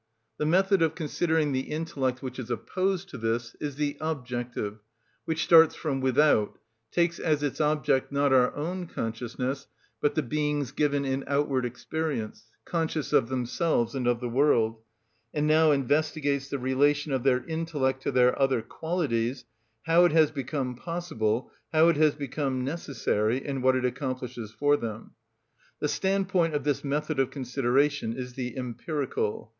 The method of considering the intellect which is opposed to this is the objective, which starts from without, takes as its object not our own consciousness, but the beings given in outward experience, conscious of themselves and of the world, and now investigates the relation of their intellect to their other qualities, how it has become possible, how it has become necessary, and what it accomplishes for them. The standpoint of this method of consideration is the empirical.